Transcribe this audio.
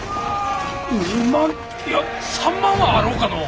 ２万いや３万はあろうかのう。